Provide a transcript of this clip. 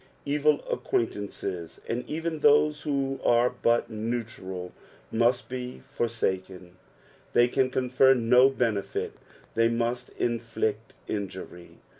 Evil acquiuntances, and even those who are but neutral, must be for saken, they can confer no benefit, they must inflict injury.